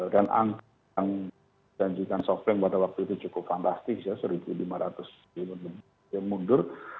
dan angka yang dijanjikan softbank pada waktu itu cukup fantastis ya rp satu lima ratus mundur